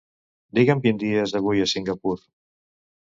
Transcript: Digue'm quin dia és avui a Singapur.